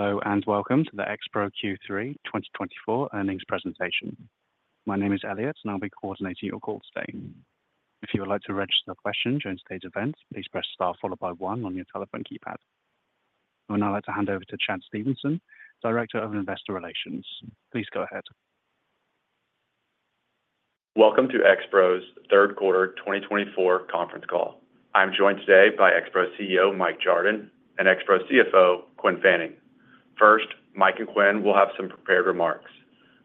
Hello, and welcome to the Expro Q3 twenty twenty-four earnings presentation. My name is Elliot, and I'll be coordinating your call today. If you would like to register a question during today's event, please press Star followed by one on your telephone keypad. I would now like to hand over to Chad Stephenson, Director of Investor Relations. Please go ahead. Welcome to Expro's third quarter twenty twenty-four conference call. I'm joined today by Expro's CEO, Mike Jardon, and Expro's CFO, Quinn Fanning. First, Mike and Quinn will have some prepared remarks,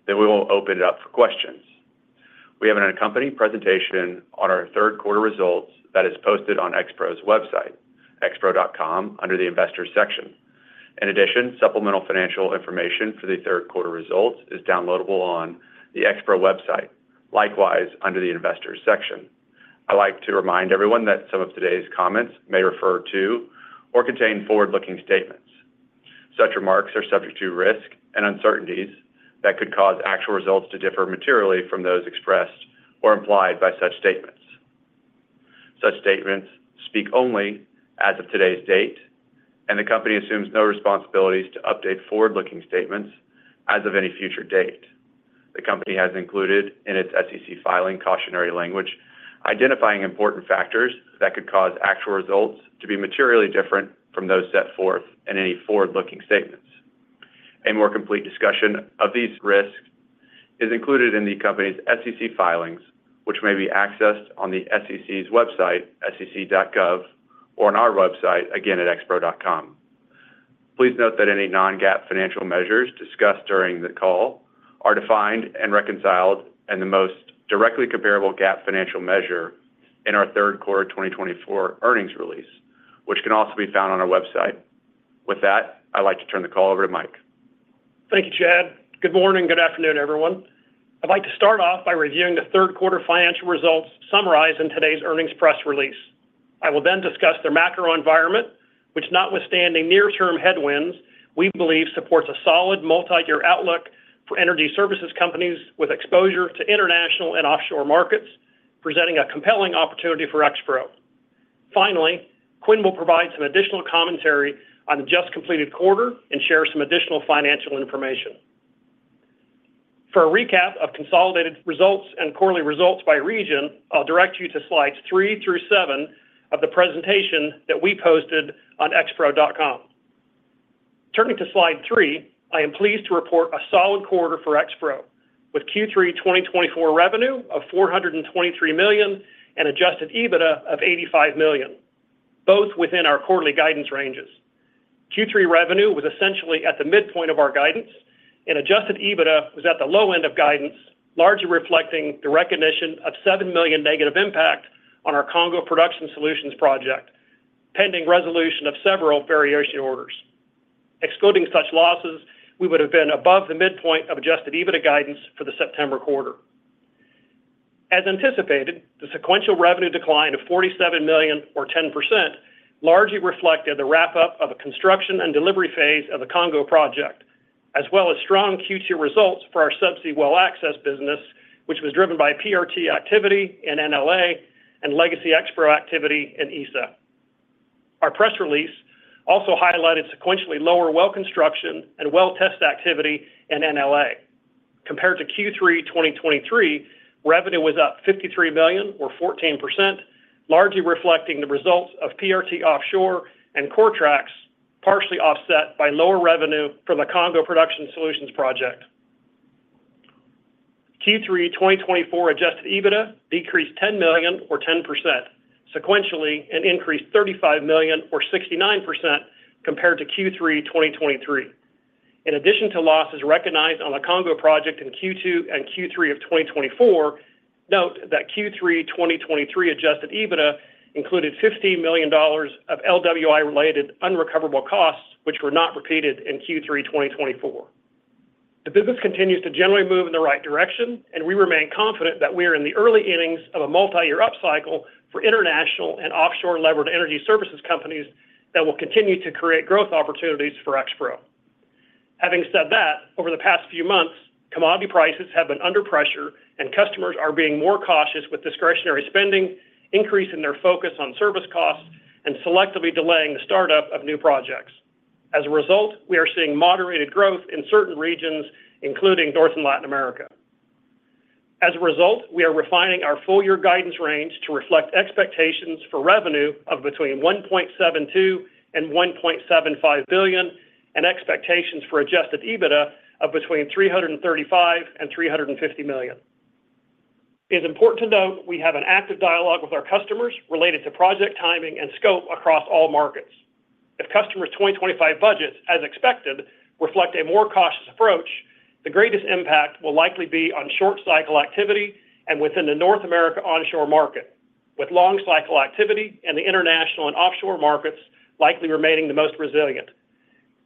then we will open it up for questions. We have an accompanying presentation on our third quarter results that is posted on Expro's website, expro.com, under the Investors section. In addition, supplemental financial information for the third quarter results is downloadable on the Expro website, likewise, under the Investors section. I'd like to remind everyone that some of today's comments may refer to or contain forward-looking statements. Such remarks are subject to risk and uncertainties that could cause actual results to differ materially from those expressed or implied by such statements. Such statements speak only as of today's date, and the company assumes no responsibilities to update forward-looking statements as of any future date. The company has included in its SEC filing cautionary language, identifying important factors that could cause actual results to be materially different from those set forth in any forward-looking statements. A more complete discussion of these risks is included in the company's SEC filings, which may be accessed on the SEC's website, sec.gov, or on our website, again, at expro.com. Please note that any non-GAAP financial measures discussed during the call are defined and reconciled in the most directly comparable GAAP financial measure in our third quarter twenty twenty-four earnings release, which can also be found on our website. With that, I'd like to turn the call over to Mike. Thank you, Chad. Good morning. Good afternoon, everyone. I'd like to start off by reviewing the third quarter financial results summarized in today's earnings press release. I will then discuss the macro environment, which notwithstanding near-term headwinds, we believe supports a solid multi-year outlook for energy services companies with exposure to international and offshore markets, presenting a compelling opportunity for Expro. Finally, Quinn will provide some additional commentary on the just completed quarter and share some additional financial information. For a recap of consolidated results and quarterly results by region, I'll direct you to slides three through seven of the presentation that we posted on expro.com. Turning to slide three, I am pleased to report a solid quarter for Expro, with Q3 2024 revenue of $423 million and Adjusted EBITDA of $85 million, both within our quarterly guidance ranges. Q3 revenue was essentially at the midpoint of our guidance, and Adjusted EBITDA was at the low end of guidance, largely reflecting the recognition of $7 million negative impact on our Congo Production Solutions project, pending resolution of several variation orders. Excluding such losses, we would have been above the midpoint of Adjusted EBITDA guidance for the September quarter. As anticipated, the sequential revenue decline of $47 million or 10%, largely reflected the wrap-up of a construction and delivery phase of the Congo project, as well as strong Q2 results for our Subsea Well Access business, which was driven by PRT activity in NLA and legacy Expro activity in ESSA. Our press release also highlighted sequentially lower Well Construction and well test activity in NLA. Compared to Q3 2023, revenue was up $53 million or 14%, largely reflecting the results of PRT Offshore and Coretrax, partially offset by lower revenue for the Congo Production Solutions project. Q3 2024 Adjusted EBITDA decreased $10 million or 10% sequentially and increased $35 million or 69% compared to Q3 2023. In addition to losses recognized on the Congo project in Q2 and Q3 of 2024, note that Q3 2023 Adjusted EBITDA included $15 million of LWI-related unrecoverable costs, which were not repeated in Q3 2024. The business continues to generally move in the right direction, and we remain confident that we are in the early innings of a multi-year upcycle for international and offshore levered energy services companies that will continue to create growth opportunities for Expro. Having said that, over the past few months, commodity prices have been under pressure and customers are being more cautious with discretionary spending, increasing their focus on service costs and selectively delaying the startup of new projects. As a result, we are seeing moderated growth in certain regions, including North and Latin America. As a result, we are refining our full year guidance range to reflect expectations for revenue of between $1.72 billion and $1.75 billion, and expectations for Adjusted EBITDA of between $335 million and $350 million. It is important to note, we have an active dialogue with our customers related to project timing and scope across all markets. If customers' 2025 budgets, as expected, reflect a more cautious approach, the greatest impact will likely be on short cycle activity and within the North America onshore market, with long cycle activity and the international and offshore markets likely remaining the most resilient.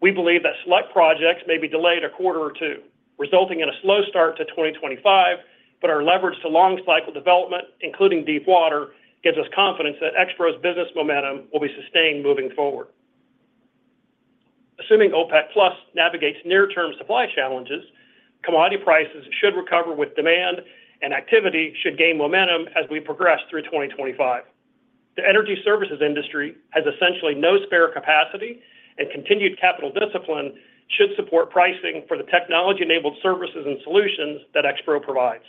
We believe that select projects may be delayed a quarter or two, resulting in a slow start to 2025, but our leverage to long cycle development, including deepwater, gives us confidence that Expro's business momentum will be sustained moving forward. Assuming OPEC+ navigates near-term supply challenges, commodity prices should recover with demand and activity should gain momentum as we progress through 2025. The energy services industry has essentially no spare capacity, and continued capital discipline should support pricing for the technology-enabled services and solutions that Expro provides.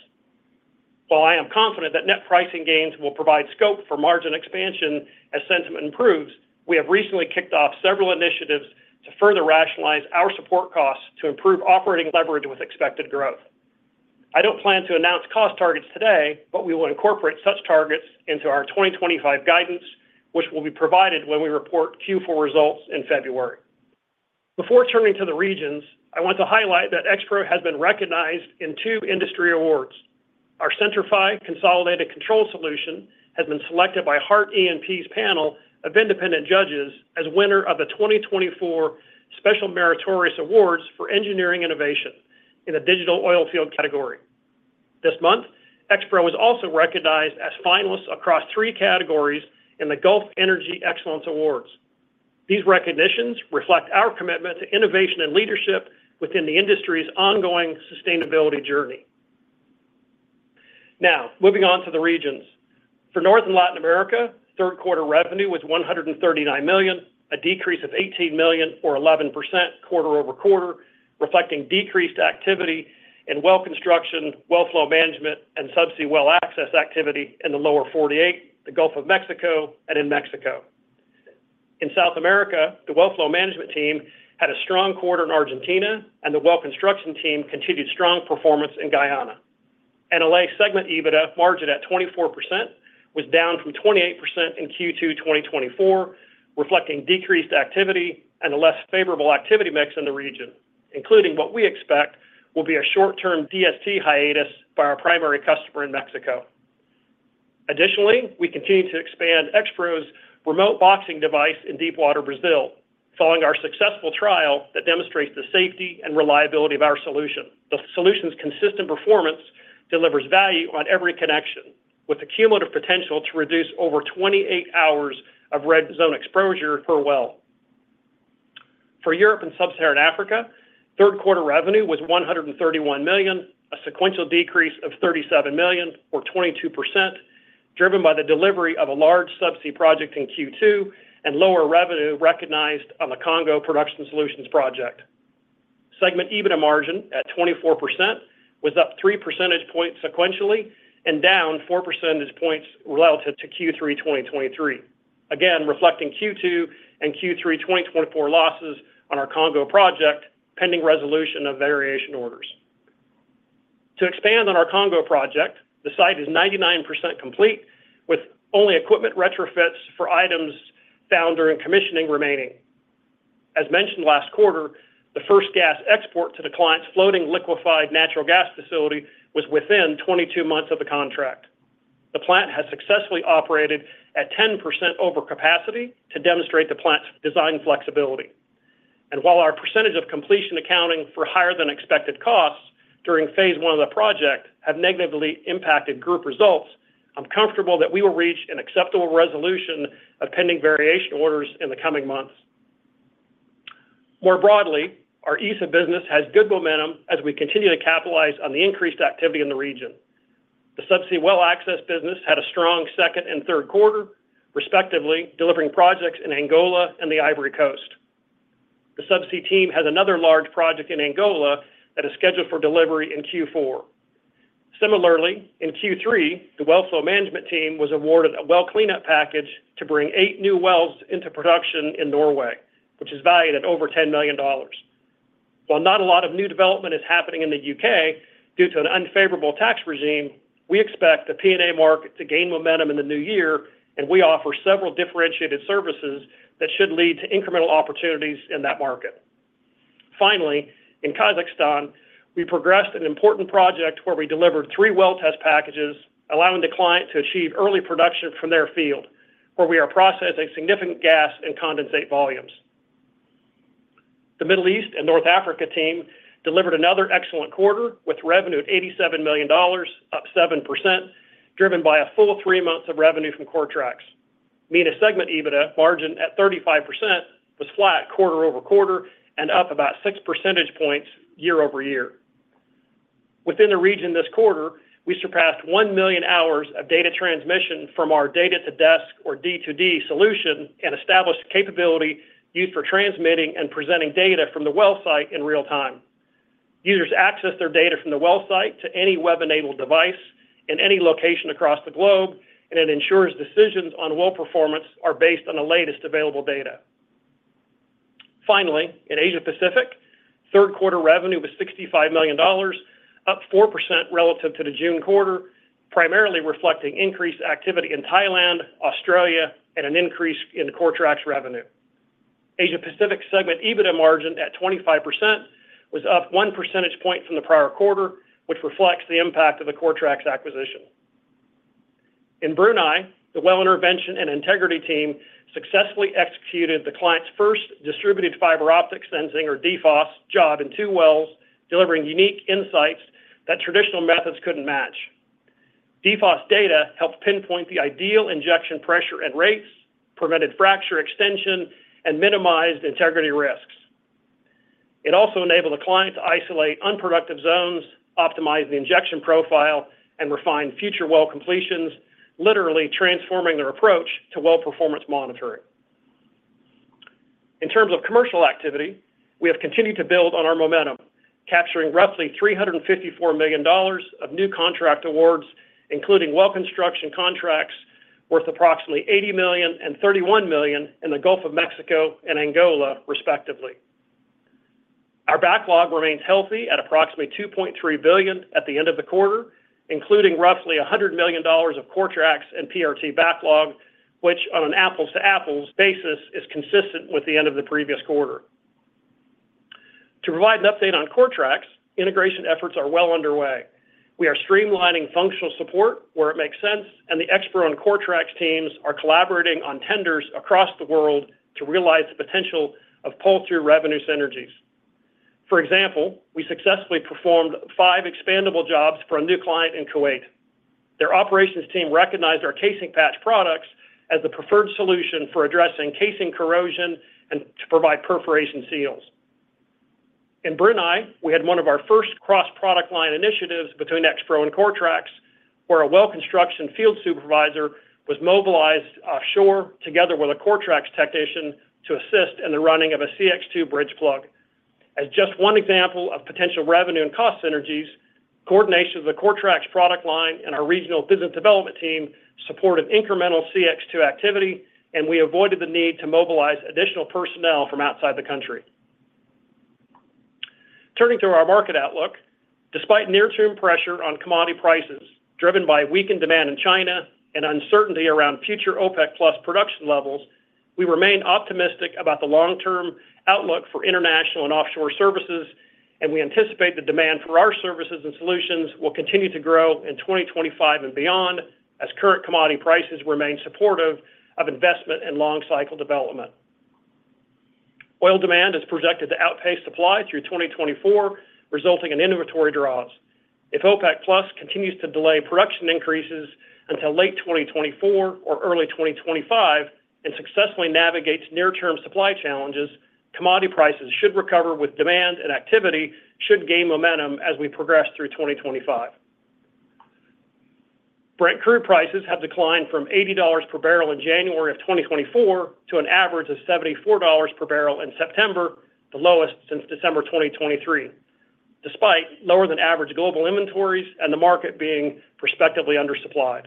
While I am confident that net pricing gains will provide scope for margin expansion as sentiment improves, we have recently kicked off several initiatives to further rationalize our support costs to improve operating leverage with expected growth. I don't plan to announce cost targets today, but we will incorporate such targets into our twenty twenty-five guidance, which will be provided when we report Q4 results in February. Before turning to the regions, I want to highlight that Expro has been recognized in two industry awards. Our Centri-FI Consolidated Control Solution has been selected by Hart Energy's panel of independent judges as winner of the twenty twenty-four Special Meritorious Awards for Engineering Innovation in the Digital Oil Field category. This month, Expro was also recognized as finalists across three categories in the Gulf Energy Excellence Awards. These recognitions reflect our commitment to innovation and leadership within the industry's ongoing sustainability journey. Now, moving on to the regions. For North and Latin America, third quarter revenue was $139 million, a decrease of $18 million, or 11% quarter over quarter, reflecting decreased activity in well construction, well flow management, and subsea well access activity in the Lower 48, the Gulf of Mexico and in Mexico. In South America, the well flow management team had a strong quarter in Argentina, and the well construction team continued strong performance in Guyana. NLA segment EBITDA margin at 24% was down from 28% in Q2 2024, reflecting decreased activity and a less favorable activity mix in the region, including what we expect will be a short-term DST hiatus by our primary customer in Mexico. Additionally, we continue to expand Expro's remote boxing device in deepwater Brazil, following our successful trial that demonstrates the safety and reliability of our solution. The solution's consistent performance delivers value on every connection, with the cumulative potential to reduce over 28 hours of red zone exposure per well. For Europe and Sub-Saharan Africa, third quarter revenue was $131 million, a sequential decrease of $37 million, or 22%, driven by the delivery of a large subsea project in Q2 and lower revenue recognized on the Congo Production Solutions project. Segment EBITDA margin at 24% was up three percentage points sequentially and down four percentage points relative to Q3 2023. Again, reflecting Q2 and Q3 2024 losses on our Congo project, pending resolution of variation orders. To expand on our Congo project, the site is 99% complete, with only equipment retrofits for items found during commissioning remaining. As mentioned last quarter, the first gas export to the client's floating liquefied natural gas facility was within twenty-two months of the contract. The plant has successfully operated at 10% over capacity to demonstrate the plant's design flexibility. While our percentage of completion accounting for higher than expected costs during phase one of the project have negatively impacted group results, I'm comfortable that we will reach an acceptable resolution of pending variation orders in the coming months. More broadly, our ESSA business has good momentum as we continue to capitalize on the increased activity in the region. The subsea well access business had a strong second and third quarter, respectively, delivering projects in Angola and the Ivory Coast. The subsea team has another large project in Angola that is scheduled for delivery in Q4. Similarly, in Q3, the Well Flow Management team was awarded a well cleanup package to bring eight new wells into production in Norway, which is valued at over $10 million. While not a lot of new development is happening in the U.K. due to an unfavorable tax regime, we expect the P&A market to gain momentum in the new year, and we offer several differentiated services that should lead to incremental opportunities in that market. Finally, in Kazakhstan, we progressed an important project where we delivered three well test packages, allowing the client to achieve early production from their field, where we are processing significant gas and condensate volumes. The Middle East and North Africa team delivered another excellent quarter with revenue at $87 million, up 7%, driven by a full three months of revenue from Coretrax. MENA segment EBITDA margin at 35% was flat quarter over quarter and up about six percentage points year over year. Within the region this quarter, we surpassed 1 million hours of data transmission from our Data to Desk, or D2D, solution, and established capability used for transmitting and presenting data from the well site in real time. Users access their data from the well site to any web-enabled device in any location across the globe, and it ensures decisions on well performance are based on the latest available data. Finally, in Asia Pacific, third quarter revenue was $65 million, up 4% relative to the June quarter, primarily reflecting increased activity in Thailand, Australia, and an increase in the Coretrax revenue. Asia Pacific segment EBITDA margin at 25%, was up one percentage point from the prior quarter, which reflects the impact of the Coretrax acquisition. In Brunei, the well intervention and integrity team successfully executed the client's first distributed fiber optic sensing, or DFOS, job in two wells, delivering unique insights that traditional methods couldn't match. DFOS data helped pinpoint the ideal injection pressure and rates, prevented fracture extension, and minimized integrity risks. It also enabled the client to isolate unproductive zones, optimize the injection profile, and refine future well completions, literally transforming their approach to well performance monitoring. In terms of commercial activity, we have continued to build on our momentum, capturing roughly $354 million of new contract awards, including well construction contracts worth approximately $80 million and $31 million in the Gulf of Mexico and Angola, respectively. Our backlog remains healthy at approximately $2.3 billion at the end of the quarter, including roughly $100 million of Coretrax and PRT backlog, which on an apples-to-apples basis, is consistent with the end of the previous quarter. To provide an update on Coretrax, integration efforts are well underway. We are streamlining functional support where it makes sense, and the Expro and Coretrax teams are collaborating on tenders across the world to realize the potential of pull-through revenue synergies. For example, we successfully performed five expandable jobs for a new client in Kuwait. Their operations team recognized our casing patch products as the preferred solution for addressing casing corrosion and to provide perforation seals. In Brunei, we had one of our first cross-product line initiatives between Expro and Coretrax, where a well construction field supervisor was mobilized offshore together with a Coretrax technician to assist in the running of a CX2 bridge plug. As just one example of potential revenue and cost synergies, coordination of the Coretrax product line and our regional business development team supported incremental CX2 activity, and we avoided the need to mobilize additional personnel from outside the country. Turning to our market outlook, despite near-term pressure on commodity prices, driven by weakened demand in China and uncertainty around future OPEC+ production levels, we remain optimistic about the long-term outlook for international and offshore services, and we anticipate the demand for our services and solutions will continue to grow in 2025 and beyond, as current commodity prices remain supportive of investment in long cycle development. Oil demand is projected to outpace supply through 2024, resulting in inventory draws. If OPEC+ continues to delay production increases until late 2024 or early 2025 and successfully navigates near-term supply challenges, commodity prices should recover with demand, and activity should gain momentum as we progress through 2025. Brent crude prices have declined from $80 per barrel in January 2024 to an average of $74 per barrel in September, the lowest since December 2023, despite lower than average global inventories and the market being respectively undersupplied.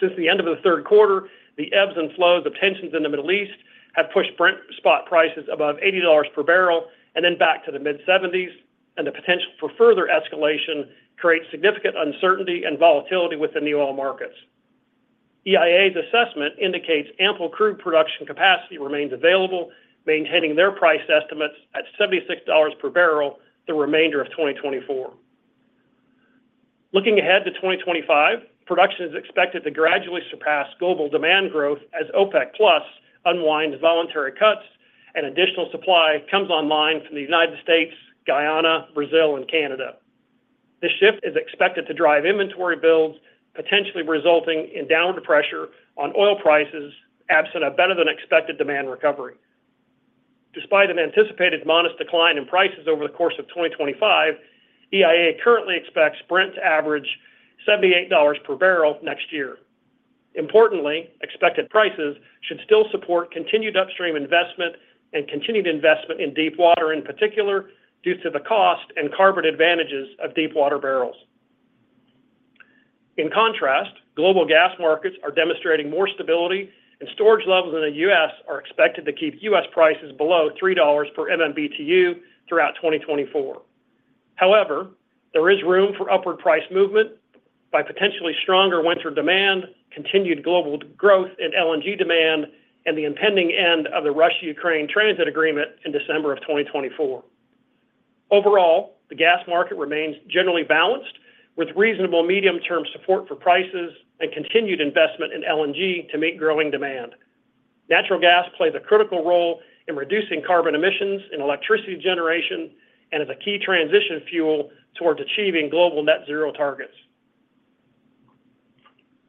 Since the end of the third quarter, the ebbs and flows of tensions in the Middle East have pushed Brent spot prices above $80 per barrel and then back to the mid-seventies, and the potential for further escalation creates significant uncertainty and volatility within the oil markets. EIA's assessment indicates ample crude production capacity remains available, maintaining their price estimates at $76 per barrel the remainder of 2024. Looking ahead to 2025, production is expected to gradually surpass global demand growth as OPEC+ unwinds voluntary cuts and additional supply comes online from the United States, Guyana, Brazil, and Canada. This shift is expected to drive inventory builds, potentially resulting in downward pressure on oil prices, absent a better-than-expected demand recovery. Despite an anticipated modest decline in prices over the course of 2025, EIA currently expects Brent to average $78 per barrel next year. Importantly, expected prices should still support continued upstream investment and continued investment in deepwater, in particular, due to the cost and carbon advantages of deepwater barrels. In contrast, global gas markets are demonstrating more stability, and storage levels in the U.S. are expected to keep U.S. prices below $3 per MMBtu throughout 2024. However, there is room for upward price movement by potentially stronger winter demand, continued global growth in LNG demand, and the impending end of the Russia-Ukraine transit agreement in December of 2024. Overall, the gas market remains generally balanced, with reasonable medium-term support for prices and continued investment in LNG to meet growing demand. Natural gas plays a critical role in reducing carbon emissions and electricity generation and is a key transition fuel towards achieving global net zero targets.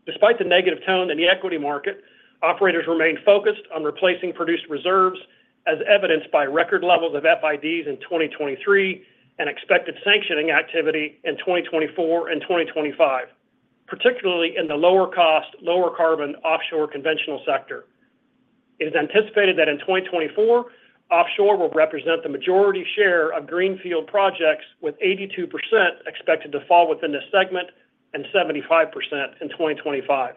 Despite the negative tone in the equity market, operators remain focused on replacing produced reserves, as evidenced by record levels of FIDs in twenty twenty-three and expected sanctioning activity in twenty twenty-four and twenty twenty-five, particularly in the lower-cost, lower-carbon offshore conventional sector. It is anticipated that in twenty twenty-four, offshore will represent the majority share of greenfield projects, with 82% expected to fall within this segment and 75% in twenty twenty-five.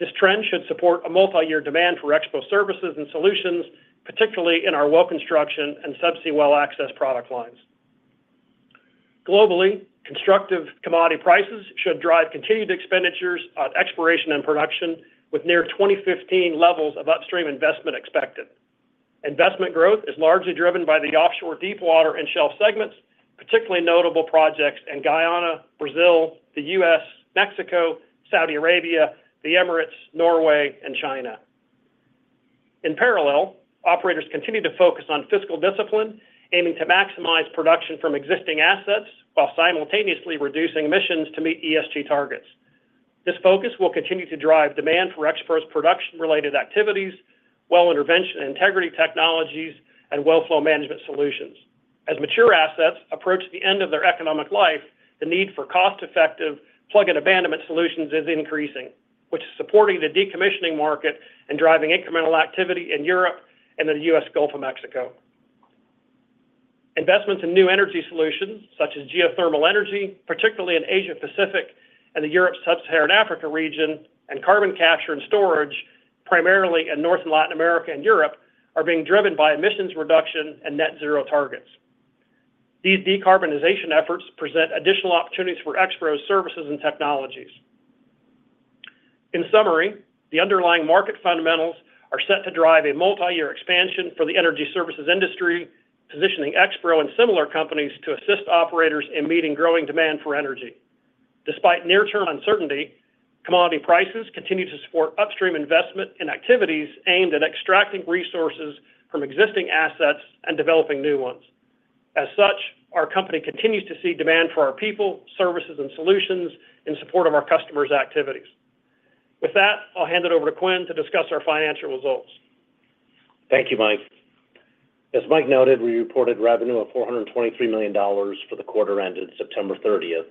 This trend should support a multi-year demand for Expro services and solutions, particularly in our well construction and subsea well access product lines. Globally, constructive commodity prices should drive continued expenditures on exploration and production, with near 2015 levels of upstream investment expected. Investment growth is largely driven by the offshore deepwater and shelf segments, particularly notable projects in Guyana, Brazil, the U.S., Mexico, Saudi Arabia, the Emirates, Norway, and China. In parallel, operators continue to focus on fiscal discipline, aiming to maximize production from existing assets while simultaneously reducing emissions to meet ESG targets. This focus will continue to drive demand for expert production-related activities, well intervention and integrity technologies, and well flow management solutions. As mature assets approach the end of their economic life, the need for cost-effective plug and abandonment solutions is increasing, which is supporting the decommissioning market and driving incremental activity in Europe and the U.S. Gulf of Mexico. Investments in new energy solutions, such as geothermal energy, particularly in Asia Pacific and the Europe/Sub-Saharan Africa region, and carbon capture and storage, primarily in North and Latin America and Europe, are being driven by emissions reduction and net zero targets. These decarbonization efforts present additional opportunities for expert services and technologies. In summary, the underlying market fundamentals are set to drive a multi-year expansion for the energy services industry, positioning Expro and similar companies to assist operators in meeting growing demand for energy. Despite near-term uncertainty, commodity prices continue to support upstream investment and activities aimed at extracting resources from existing assets and developing new ones. As such, our company continues to see demand for our people, services, and solutions in support of our customers' activities. With that, I'll hand it over to Quinn to discuss our financial results. Thank you, Mike. As Mike noted, we reported revenue of $423 million for the quarter ended September thirtieth,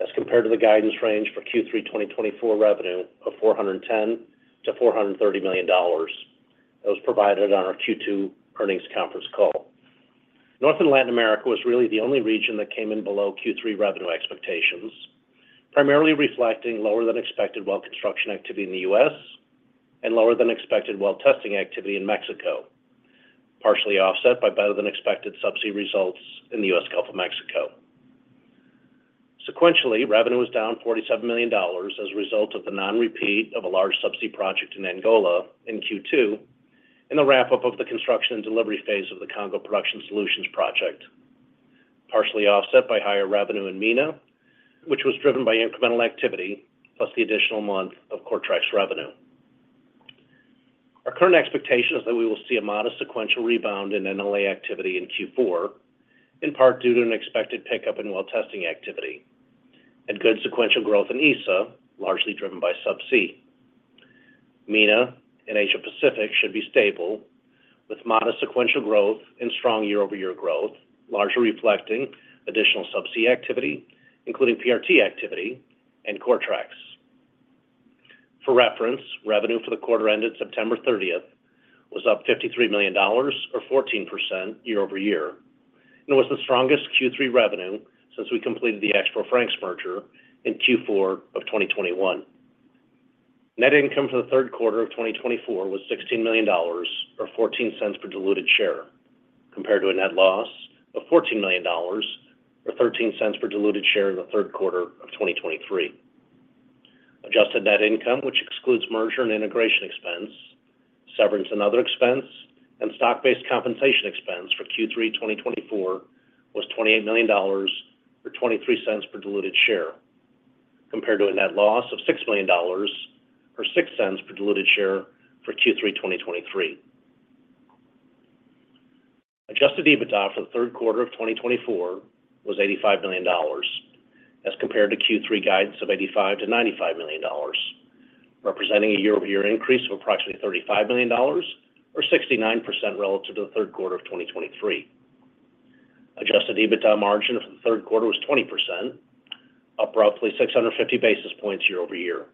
as compared to the guidance range for Q3 2024 revenue of $410 million-$430 million. That was provided on our Q2 earnings conference call. North and Latin America was really the only region that came in below Q3 revenue expectations, primarily reflecting lower than expected well construction activity in the U.S. and lower than expected well testing activity in Mexico, partially offset by better than expected subsea results in the U.S. Gulf of Mexico. Sequentially, revenue was down $47 million as a result of the non-repeat of a large subsea project in Angola in Q2 and the wrap-up of the construction and delivery phase of the Congo Production Solutions project, partially offset by higher revenue in MENA, which was driven by incremental activity, plus the additional month of Coretrax's revenue. Our current expectation is that we will see a modest sequential rebound in NLA activity in Q4, in part due to an expected pickup in well testing activity and good sequential growth in ESSA, largely driven by subsea. MENA and Asia Pacific should be stable, with modest sequential growth and strong year-over-year growth, largely reflecting additional subsea activity, including PRT activity and Coretrax. For reference, revenue for the quarter ended September thirtieth was up $53 million, or 14% year over year, and was the strongest Q3 revenue since we completed the Expro Frank's merger in Q4 of 2021. Net income for the third quarter of 2024 was $16 million, or $0.14 per diluted share, compared to a net loss of $14 million, or $0.13 per diluted share in the third quarter of 2023. Adjusted net income, which excludes merger and integration expense, severance and other expense, and stock-based compensation expense for Q3 2024, was $28 million, or $0.23 per diluted share, compared to a net loss of $6 million, or $0.06 per diluted share for Q3 2023. Adjusted EBITDA for the third quarter of 2024 was $85 million, as compared to Q3 guidance of $85-$95 million, representing a year-over-year increase of approximately $35 million or 69% relative to the third quarter of 2023. Adjusted EBITDA margin for the third quarter was 20%, up roughly 650 basis points year over year.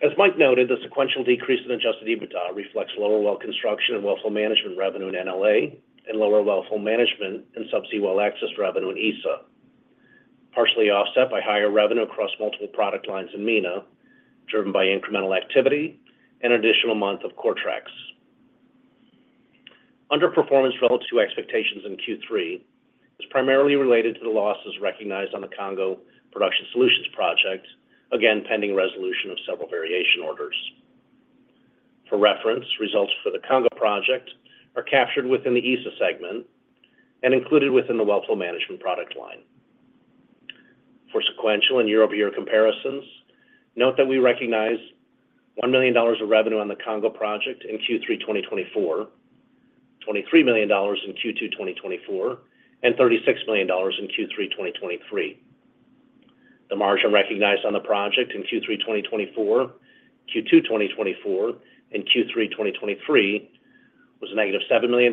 As Mike noted, the sequential decrease in adjusted EBITDA reflects lower well construction and well flow management revenue in NLA and lower well flow management and subsea well access revenue in ESSA, partially offset by higher revenue across multiple product lines in MENA, driven by incremental activity and additional month of Coretrax. Underperformance relative to expectations in Q3 is primarily related to the losses recognized on the Congo Production Solutions project, again, pending resolution of several variation orders. For reference, results for the Congo project are captured within the ESSA segment and included within the well flow management product line. For sequential and year-over-year comparisons, note that we recognize $1 million of revenue on the Congo project in Q3 2024, $23 million in Q2 2024, and $36 million in Q3 2023. The margin recognized on the project in Q3 2024, Q2 2024, and Q3 2023 was a negative $7 million,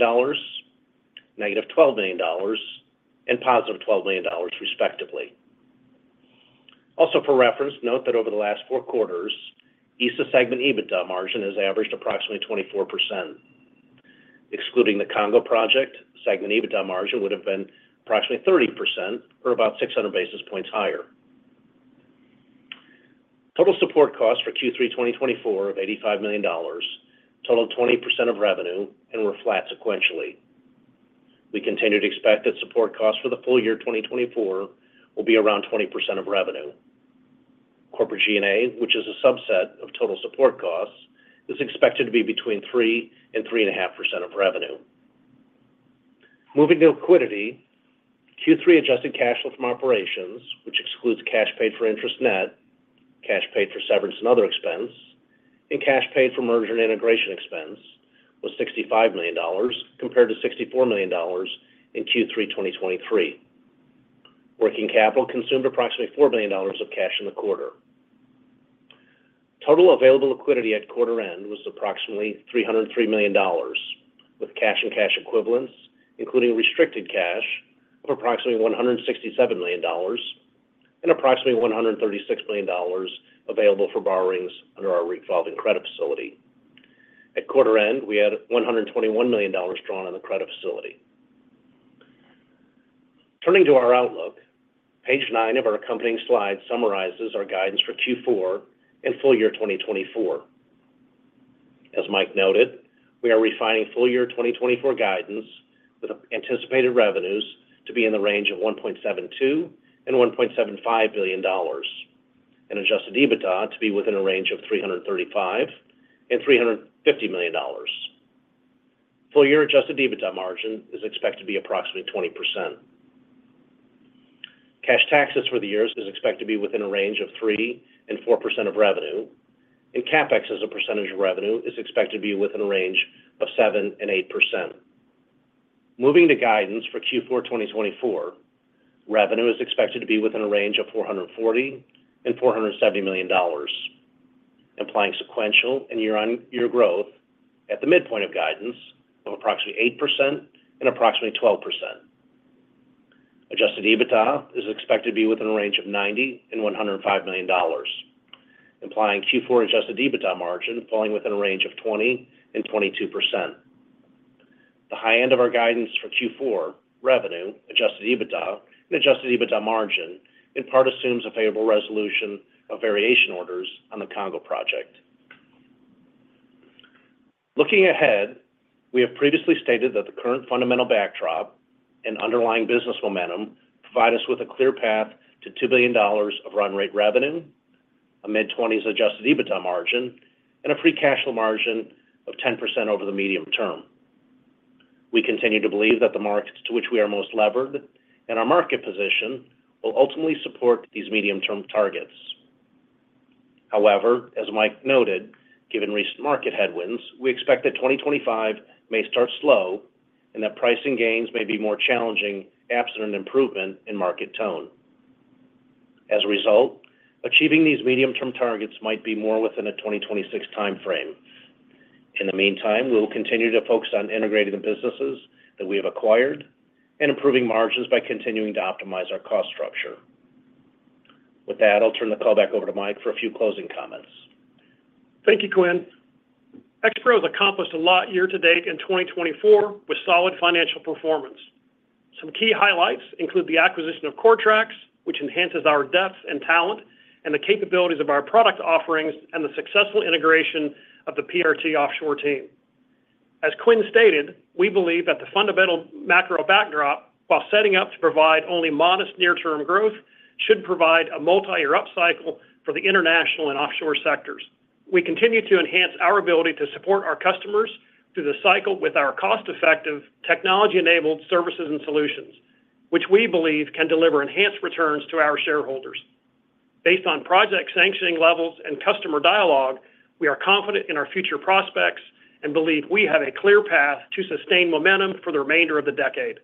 negative $12 million, and positive $12 million, respectively. Also, for reference, note that over the last four quarters, ESSA segment EBITDA margin has averaged approximately 24%. Excluding the Congo project, segment EBITDA margin would have been approximately 30% or about six hundred basis points higher. Total support costs for Q3 2024 of $85 million totaled 20% of revenue and were flat sequentially. We continue to expect that support costs for the full year 2024 will be around 20% of revenue. Corporate G&A, which is a subset of total support costs, is expected to be between 3% and 3.5% of revenue. Moving to liquidity, Q3 adjusted cash flow from operations, which excludes cash paid for interest, net cash paid for severance and other expense, and cash paid for merger and integration expense was $65 million, compared to $64 million in Q3 2023. Working capital consumed approximately $4 million of cash in the quarter. Total available liquidity at quarter end was approximately $303 million, with cash and cash equivalents, including restricted cash, of approximately $167 million, and approximately $136 million available for borrowings under our revolving credit facility. At quarter end, we had $121 million drawn on the credit facility. Turning to our outlook, page nine of our accompanying slide summarizes our guidance for Q4 and full year 2024. As Mike noted, we are refining full year 2024 guidance, with anticipated revenues to be in the range of $1.72-$1.75 billion, and adjusted EBITDA to be within a range of $335-$350 million. Full year adjusted EBITDA margin is expected to be approximately 20%. Cash taxes for the years is expected to be within a range of 3%-4% of revenue, and CapEx, as a percentage of revenue, is expected to be within a range of 7%-8%. Moving to guidance for Q4 2024, revenue is expected to be within a range of $440-$470 million, implying sequential and year-on-year growth at the midpoint of guidance of approximately 8% and approximately 12%. Adjusted EBITDA is expected to be within a range of $90-$105 million, implying Q4 adjusted EBITDA margin falling within a range of 20%-22%. The high end of our guidance for Q4 revenue, adjusted EBITDA, and adjusted EBITDA margin, in part assumes a favorable resolution of variation orders on the Congo project. Looking ahead, we have previously stated that the current fundamental backdrop and underlying business momentum provide us with a clear path to $2 billion of run rate revenue, a mid-20s Adjusted EBITDA margin, and a free cash flow margin of 10% over the medium term. We continue to believe that the markets to which we are most levered and our market position will ultimately support these medium-term targets. However, as Mike noted, given recent market headwinds, we expect that 2025 may start slow and that pricing gains may be more challenging, absent an improvement in market tone. As a result, achieving these medium-term targets might be more within a 2026 timeframe. In the meantime, we will continue to focus on integrating the businesses that we have acquired and improving margins by continuing to optimize our cost structure. With that, I'll turn the call back over to Mike for a few closing comments. Thank you, Quinn. Expro has accomplished a lot year-to-date in 2024 with solid financial performance. Some key highlights include the acquisition of Coretrax, which enhances our depth and talent, and the capabilities of our product offerings, and the successful integration of the PRT Offshore team. As Quinn stated, we believe that the fundamental macro backdrop, while setting up to provide only modest near-term growth, should provide a multi-year upcycle for the international and offshore sectors. We continue to enhance our ability to support our customers through the cycle with our cost-effective, technology-enabled services and solutions, which we believe can deliver enhanced returns to our shareholders. Based on project sanctioning levels and customer dialogue, we are confident in our future prospects and believe we have a clear path to sustain momentum for the remainder of the decade.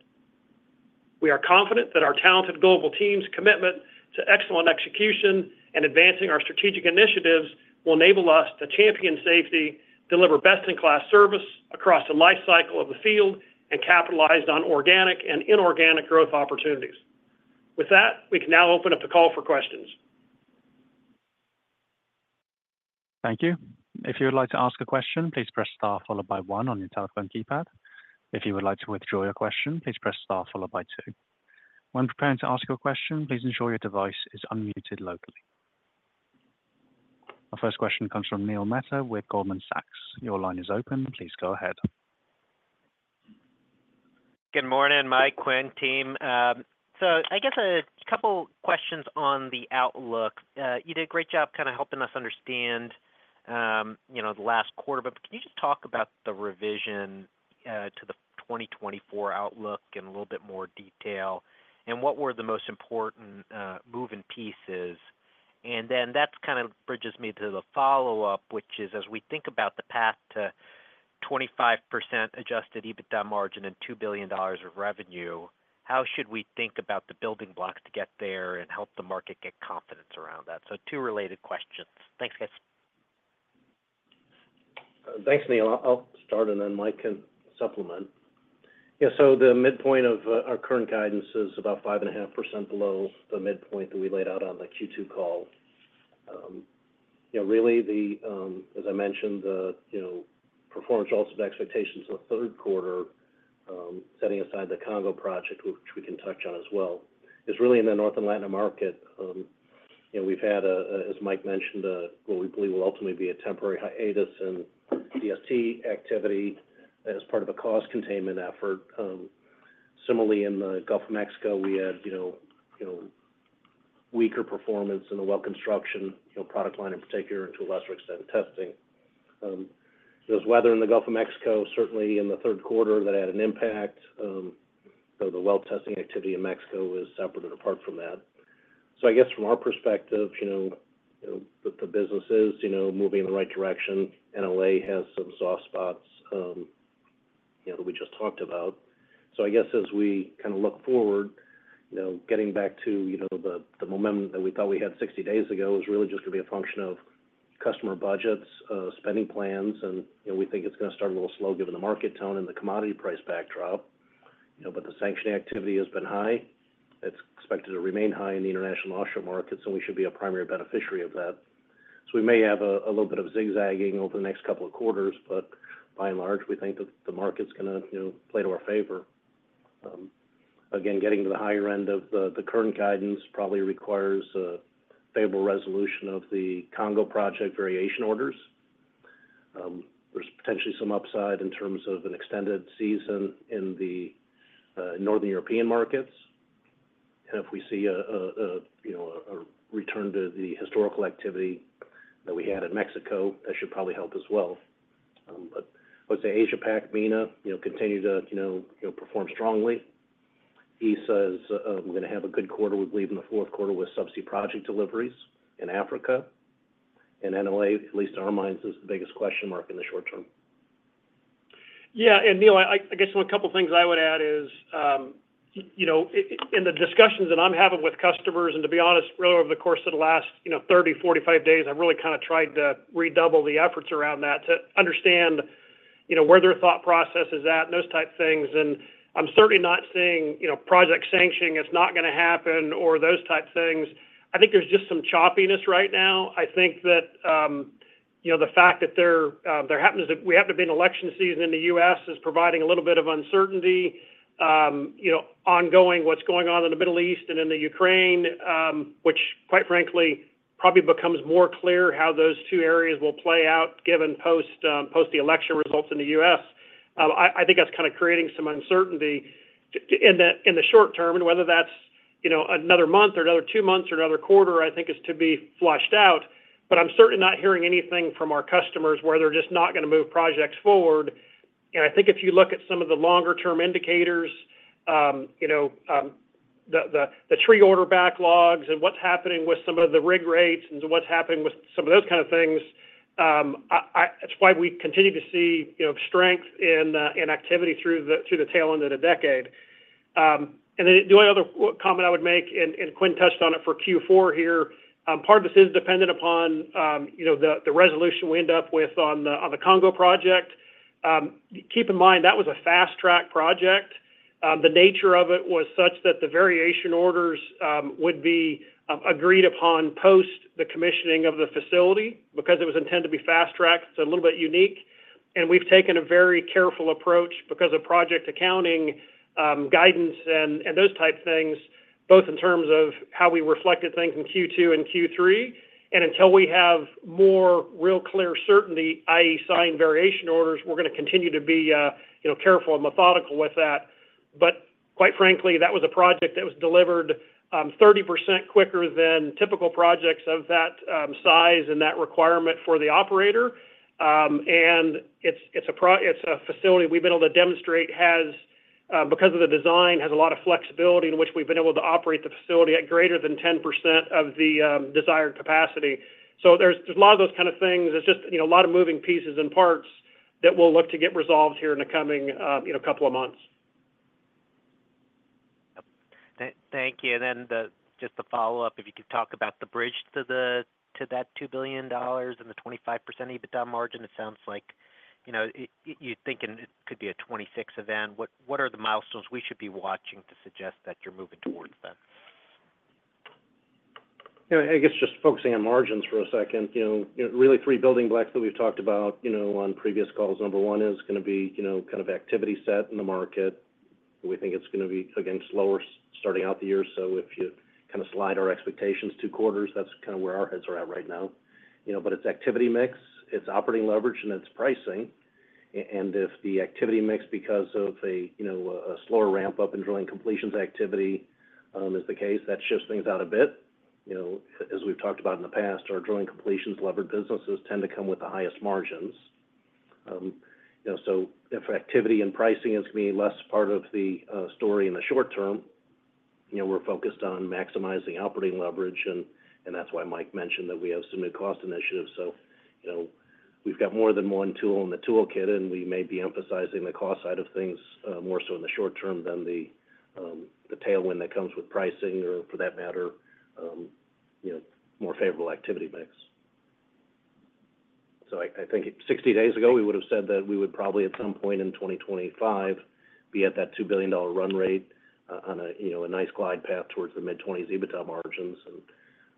We are confident that our talented global team's commitment to excellent execution and advancing our strategic initiatives will enable us to champion safety, deliver best-in-class service across the lifecycle of the field, and capitalize on organic and inorganic growth opportunities. With that, we can now open up the call for questions. Thank you. If you would like to ask a question, please press star followed by one on your telephone keypad. If you would like to withdraw your question, please press star followed by two. When preparing to ask your question, please ensure your device is unmuted locally. Our first question comes from Neil Mehta with Goldman Sachs. Your line is open. Please go ahead. Good morning, Mike, Quinn, team. A couple questions on the outlook. You did a great job helping us understand, you know, the last quarter, but can you just talk about the revision to the 2024 outlook in a little bit more detail, and what were the most important moving pieces? Then that bridges me to the follow-up, which is: as we think about the path to 25% Adjusted EBITDA margin and $2 billion of revenue, how should we think about the building blocks to get there and help the market get confidence around that? Two related questions. Thanks, guys. Thanks, Neil. I'll start, and then Mike can supplement. Yeah, so the midpoint of our current guidance is about 5.5% below the midpoint that we laid out on the Q2 call. You know, really, as I mentioned, the performance below expectations for the third quarter, setting aside the Congo project, which we can touch on as well, is really in the NLA market. You know, we've had, as Mike mentioned, what we believe will ultimately be a temporary hiatus in DST activity as part of a cost containment effort. Similarly, in the Gulf of Mexico, we had weaker performance in the well construction product line in particular, and to a lesser extent, testing. There was weather in the Gulf of Mexico, certainly in the third quarter, that had an impact. So the well testing activity in Mexico is separate and apart from that. From our perspective, you know, the business is, you know, moving in the right direction. NLA has some soft spots, you know, that we just talked about. As we kinda look forward, you know, getting back to, you know, the momentum that we thought we had sixty days ago, is really just gonna be a function of customer budgets, spending plans, and, you know, we think it's gonna start a little slow given the market tone and the commodity price backdrop. You know, but the sanction activity has been high. It's expected to remain high in the international offshore market, so we should be a primary beneficiary of that, so we may have a little bit of zigzagging over the next couple of quarters, but by and large, we think that the market's gonna, play to our favor. Again, getting to the higher end of the current guidance probably requires a favorable resolution of the Congo project variation orders. There's potentially some upside in terms of an extended season in the Northern European markets, and if we see a return to the historical activity that we had in Mexico, that should probably help as well, but I would say Asia Pac, MENA, you know, continue to, you know, perform strongly. ESA is, we're gonna have a good quarter, we believe in the fourth quarter with subsea project deliveries in Africa, and NLA, at least in our minds, is the biggest question mark in the short term. Yeah, and Neil a couple of things I would add is, you know, in the discussions that I'm having with customers, and to be honest, really over the course of the last, you know, 30, 45 days, I've really kinda tried to redouble the efforts around that, to understand, where their thought process is at and those type things. I'm certainly not saying, you know, project sanctioning is not gonna happen or those type things. I think there's just some choppiness right now. I think that, you know, the fact that we happen to be in election season in the U.S., is providing a little bit of uncertainty, you know, ongoing, what's going on in the Middle East and in the Ukraine, which, quite frankly, probably becomes more clear how those two areas will play out, given post, post the election results in the U.S. I think that's kinda creating some uncertainty in the short term, and whether that's, you know, another month or another two months or another quarter, I think is to be flushed out. I'm certainly not hearing anything from our customers, where they're just not gonna move projects forward. I think if you look at some of the longer term indicators, you know, the tree order backlogs and what's happening with some of the rig rates and what's happening with some of those things. That's why we continue to see, you know, strength in activity through the tail end of the decade. Then the only other comment I would make, and Quinn touched on it for Q4 here, part of this is dependent upon, the resolution we end up with on the Congo project. Keep in mind, that was a fast-track project. The nature of it was such that the variation orders would be agreed upon post the commissioning of the facility, because it was intended to be fast-tracked. It's a little bit unique, and we've taken a very careful approach because of project accounting guidance and those type things, both in terms of how we reflected things in Q2 and Q3. And until we have more real clear certainty, i.e., signed variation orders, we're gonna continue to be careful and methodical with that. Quite frankly, that was a project that was delivered 30% quicker than typical projects of that size and that requirement for the operator. And it's a facility we've been able to demonstrate has, because of the design, has a lot of flexibility in which we've been able to operate the facility at greater than 10% of the desired capacity. There's a lot of those things. There's just a lot of moving pieces and parts that we'll look to get resolved here in the coming, you know, couple of months. Thank you. Then the just to follow up, if you could talk about the bridge to that $2 billion and the 25% EBITDA margin, it sounds like you're thinking it could be a 2026 event. What are the milestones we should be watching to suggest that you're moving towards that? You know, I guess just focusing on margins for a second, you know, really three building blocks that we've talked about, you know, on previous calls. Number one is gonna be activity set in the market. We think it's gonna be, again, slower starting out the year. If you kinda slide our expectations two quarters, that's kinda where our heads are at right now. It's activity mix, it's operating leverage, and it's pricing. If the activity mix, because of you know, a slower ramp-up in drilling completions activity, is the case, that shifts things out a bit. You know, as we've talked about in the past, our drilling completions levered businesses tend to come with the highest margins. You know, so if activity and pricing is gonna be less part of the story in the short term we're focused on maximizing operating leverage, and that's why Mike mentioned that we have some new cost initiatives. We've got more than one tool in the toolkit, and we may be emphasizing the cost side of things, more so in the short term than the tailwind that comes with pricing, or for that matter, more favorable activity mix. I think 60 days ago, we would have said that we would probably, at some point in 2025, be at that $2 billion run rate, you know, a nice glide path towards the mid-twenties EBITDA margins.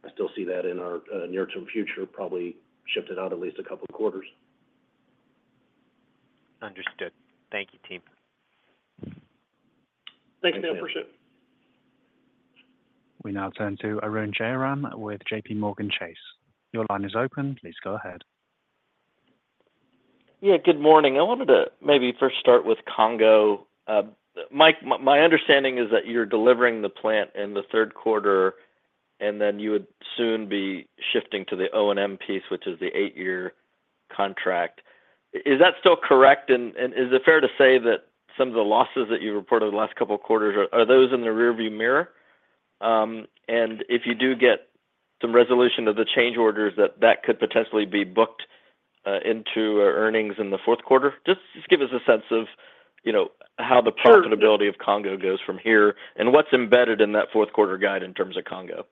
I still see that in our near-term future, probably shifted out at least a couple of quarters. Understood. Thank you, team. Thanks, Neil. Appreciate it. We now turn to Arun Jayaram with JPMorgan Chase. Your line is open. Please go ahead. Yeah, good morning. I wanted to maybe first start with Congo. Mike, my understanding is that you're delivering the plant in the third quarter, and then you would soon be shifting to the O&M piece, which is the eight-year contract. Is that still correct? Is it fair to say that some of the losses that you've reported in the last couple of quarters are those in the rearview mirror? If you do get some resolution to the change orders, that could potentially be booked into earnings in the fourth quarter? Just give us a sense of how the profitability of Congo goes from here, and what's embedded in that fourth quarter guide in terms of Congo?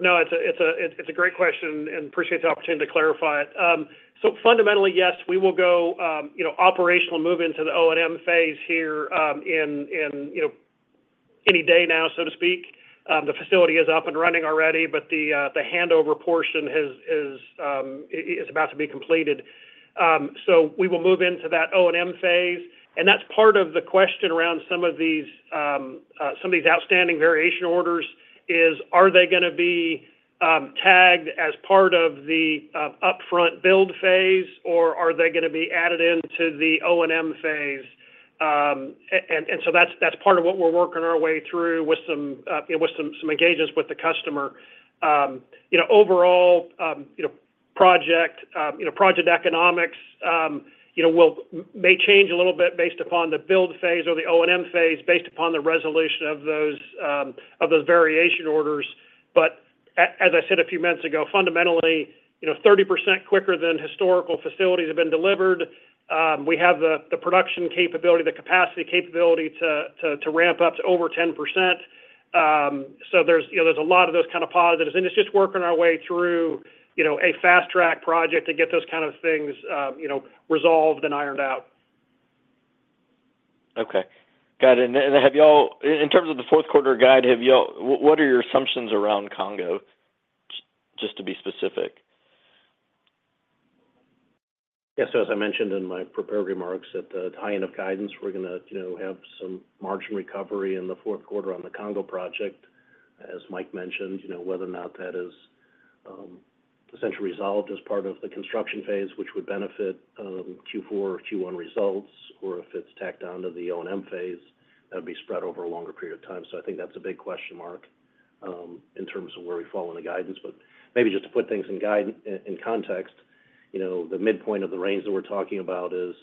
No, it's a great question, and appreciate the opportunity to clarify it. Fundamentally, yes, we will go, operational and move into the O&M phase here, in, you know, any day now, so to speak. The facility is up and running already, but the handover portion is about to be completed. We will move into that O&M phase, and that's part of the question around some of these outstanding variation orders, is are they gonna be tagged as part of the upfront build phase, or are they gonna be added into the O&M phase? That's part of what we're working our way through with some, you know, with some engagements with the customer. Overall project economics, may change a little bit based upon the build phase or the O&M phase, based upon the resolution of those, of those variation orders. As I said a few minutes ago, fundamentally, you know, 30% quicker than historical facilities have been delivered. We have the production capability, the capacity to ramp up to over 10%. There's, a lot of those positives, and it's just working our way through a fast-track project to get those things, resolved and ironed out. Okay. Got it. In terms of the fourth quarter guide, what are your assumptions around Congo, just to be specific? As I mentioned in my prepared remarks, at the high end of guidance, we're gonna, you know, have some margin recovery in the fourth quarter on the Congo project. As Mike mentioned, you know, whether or not that is essentially resolved as part of the construction phase, which would benefit Q4 or Q1 results, or if it's tacked on to the O&M phase, that'd be spread over a longer period of time. That's a big question mark in terms of where we fall in the guidance. Maybe just to put things in context, the midpoint of the range that we're talking about is,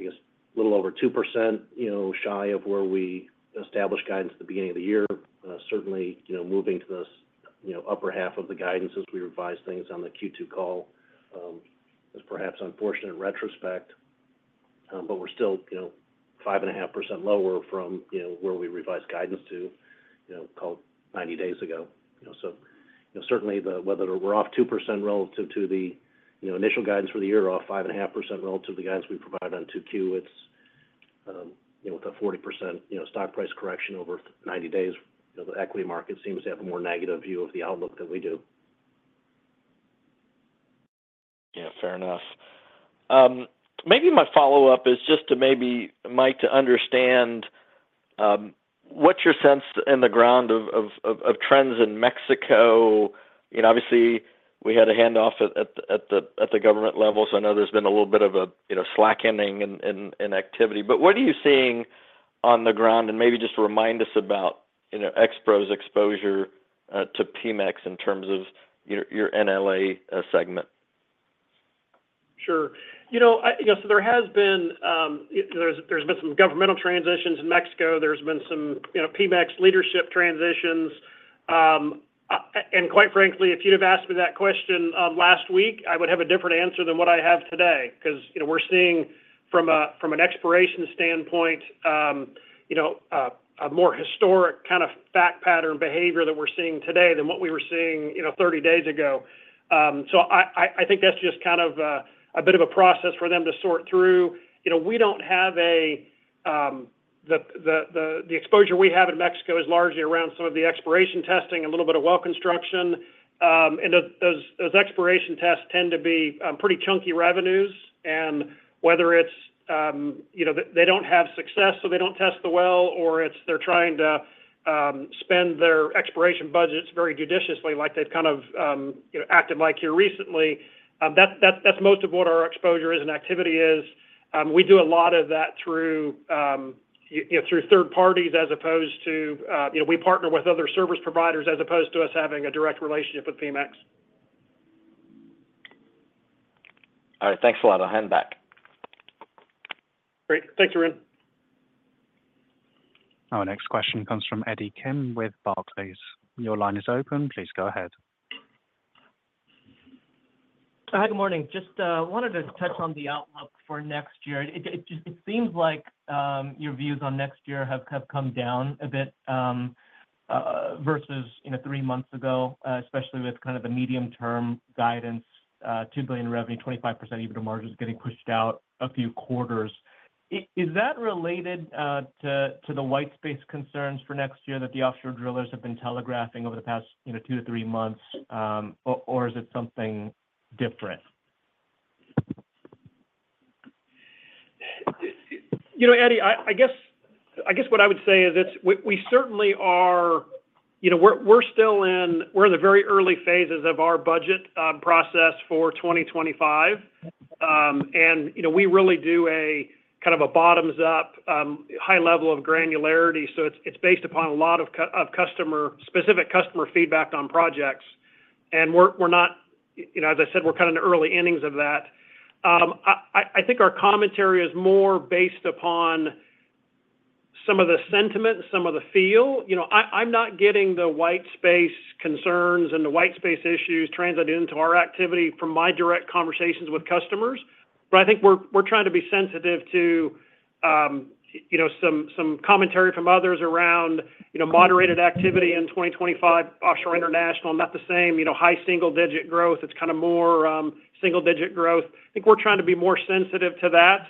a little over 2% shy of where we established guidance at the beginning of the year. Certainly, you know, moving to this, you know, upper half of the guidance as we revised things on the Q2 call, is perhaps unfortunate in retrospect, but we're still, you know, 5.5% lower from, you know, where we revised guidance to, you know, call it ninety days ago. You know, so, you know, certainly the whether we're off 2% relative to the, you know, initial guidance for the year, or off 5.5% relative to the guidance we provided on 2Q, it's, you know, with a 40%, you know, stock price correction over ninety days, you know, the equity market seems to have a more negative view of the outlook than we do. Yeah, fair enough. Maybe my follow-up is just to, Mike, to understand what's your sense on the ground of trends in Mexico? Obviously, we had a handoff at the government level, so I know there's been a little bit of a, you know, slackening in activity. What are you seeing on the ground? Maybe just remind us about, Expro's exposure to Pemex in terms of your NLA segment. There has been. There's been some governmental transitions in Mexico. There's been some, you know, Pemex leadership transitions. Quite frankly, if you'd have asked me that question last week, I would have a different answer than what I have today, because, you know, we're seeing from an exploration standpoint, a more historic fact pattern behavior that we're seeing today than what we were seeing 30 days ago. I think that's just a bit of a process for them to sort through. We don't have a. The exposure we have in Mexico is largely around some of the exploration testing, a little bit of well construction. Those exploration tests tend to be pretty chunky revenues. Whether it's they don't have success, so they don't test the well, or it's they're trying to spend their exploration budgets very judiciously, like they've acted like here recently, that's most of what our exposure is and activity is. We do a lot of that through, you know, through third parties, as opposed to. We partner with other service providers, as opposed to us having a direct relationship with Pemex. All right. Thanks a lot. I'll hand back. Great. Thanks, Arun. Our next question comes from Eddie Kim with Barclays. Your line is open. Please go ahead. Hi, good morning. Just wanted to touch on the outlook for next year. It just seems like your views on next year have come down a bit versus, you know, three months ago, especially with the medium-term guidance, $2 billion revenue, 25% EBITDA margin is getting pushed out a few quarters. Is that related to the white space concerns for next year that the offshore drillers have been telegraphing over the past, you know, two to three months, or is it something different? Eddie, I guess what I would say is this: We certainly are, you know, we're still in the very early phases of our budget process for twenty twenty-five. We really do a bottoms-up, high level of granularity. It's based upon a lot of customer specific customer feedback on projects. We're not, as I said, we're in the early innings of that. I think our commentary is more based upon some of the sentiment, some of the feel. I'm not getting the white space concerns and the white space issues translating into our activity from my direct conversations with customers. We're trying to be sensitive to you know some commentary from others around you know moderated activity in 2025 offshore international not the same you know high single-digit growth. It's kinda more single-digit growth. I think we're trying to be more sensitive to that.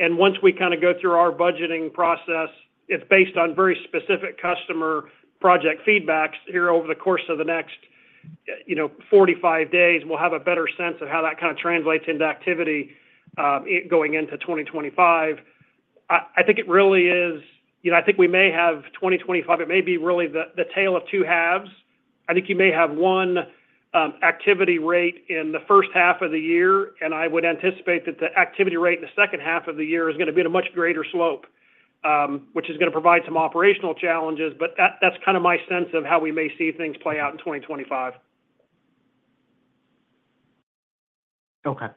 Once we kinda go through our budgeting process it's based on very specific customer project feedbacks here over the course of the next you know 45 days we'll have a better sense of how that kinda translates into activity going into 2025. I think it really is I think we may have 2025 it may be really the tale of two halves. I think you may have one activity rate in the first half of the year, and I would anticipate that the activity rate in the second half of the year is gonna be at a much greater slope, which is gonna provide some operational challenges. But that's kinda my sense of how we may see things play out in 2025. Okay,